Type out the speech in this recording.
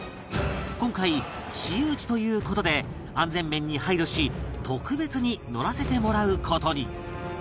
今回私有地という事で安全面に配慮し特別に乗らせてもらう事に